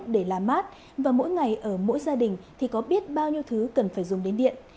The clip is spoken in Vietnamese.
để làm mát và mỗi ngày ở mỗi gia đình thì có biết bao nhiêu thứ cần phải dùng đến điện